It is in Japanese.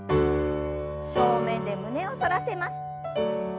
正面で胸を反らせます。